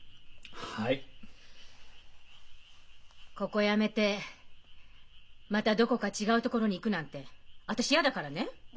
ここ辞めてまたどこか違う所に行くなんて私嫌だからね。